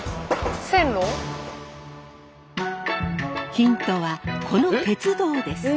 ヒントはこの鉄道です。